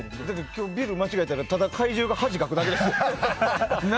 今日、ビルを間違えたらただ怪獣が恥かくだけですよ。